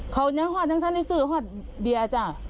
เขายังหอดยังซื้อหอดเบียร์จ้ะ